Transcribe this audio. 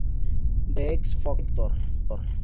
The X Factor